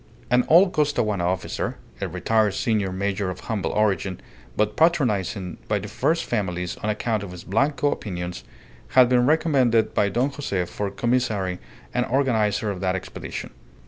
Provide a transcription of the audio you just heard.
An old Costaguana officer, a retired senior major of humble origin, but patronized by the first families on account of his Blanco opinions, had been recommended by Don Jose for commissary and organizer of that expedition.